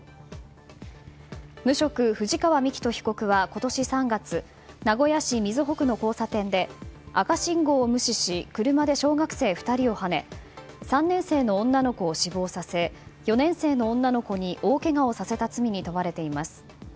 無職、藤川幹人被告は今年３月名古屋市瑞穂区の交差点で赤信号を無視し車で小学生２人をはね３年生の女の子を死亡させ４年生の女の子に大けがをさせた罪に問われています。